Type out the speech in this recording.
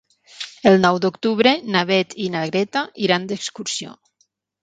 El nou d'octubre na Beth i na Greta iran d'excursió.